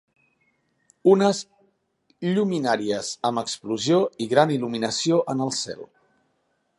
Unes lluminàries amb explosió i gran il·luminació en el cel.